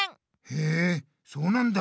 へえそうなんだ。